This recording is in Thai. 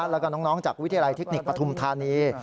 แล้วก็น้องจากวิทยาลัยเทคนิคปฐุมธานี